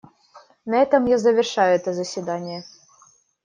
На этом я завершаю это заседание.